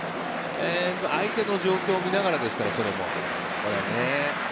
相手の状況を見ながらですからそれも。